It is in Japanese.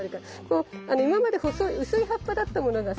今まで薄い葉っぱだったものがさ